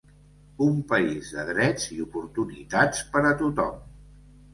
"Un país de drets i oportunitats per a tothom"